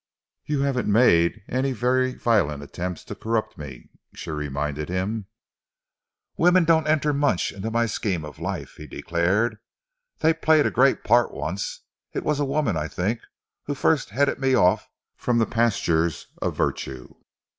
"You haven't made any very violent attempts to corrupt me," she reminded him. "Women don't enter much into my scheme of life," he declared. "They played a great part once. It was a woman, I think, who first headed me off from the pastures of virtue."